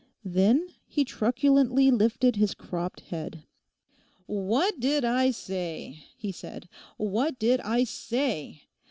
Then he truculently lifted his cropped head. 'What did I say?' he said. 'What did I _say?